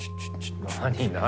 何何？